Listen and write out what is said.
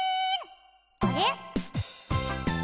あれ？